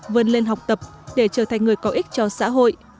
vươn lên học tập để trở thành người có ích cho xã hội